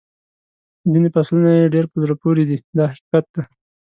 ځینې فصلونه یې ډېر په زړه پورې دي دا حقیقت دی.